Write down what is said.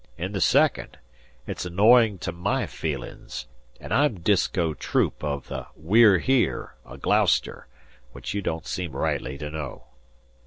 In the second, it's annoyin' to my feelin's an' I'm Disko Troop o' the We're Here o' Gloucester, which you don't seem rightly to know."